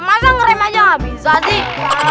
masa ngerim aja gak bisa sih